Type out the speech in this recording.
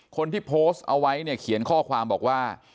คนที่โพสเอาไว้เขียนข้อความบอกว่า